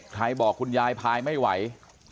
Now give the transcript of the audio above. ใครบอกคุณยายพายไม่ไหว